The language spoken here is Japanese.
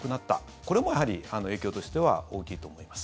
これもやはり影響としては大きいと思います。